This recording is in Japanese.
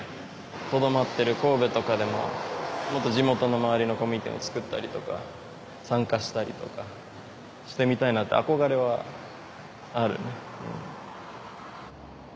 とどまってる神戸とかでも地元の周りのコミュニティーをつくったりとか参加したりとかしてみたいなって憧れはあるね。